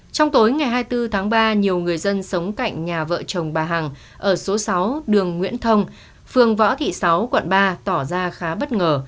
trong tối ngày hai mươi bốn tháng ba nhiều người dân sống cạnh nhà vợ chồng bà hằng ở số sáu đường nguyễn thông phường võ thị sáu quận ba tỏ ra khá bất ngờ